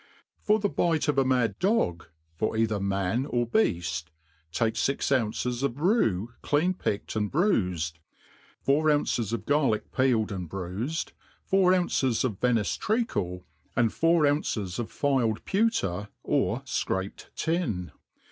FOR the biteof a mad dog, for either man or beaft, take fix ounces of rue clean picked and bruifed, four ounces of gar lick peeled and bruifed, four ounces of 'Venice treacle, and four ounces of filed pewter, or fcraped tin.